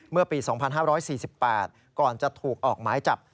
เมื่อปี๒๕๔๘ก่อนจะถูกออกหมายจับ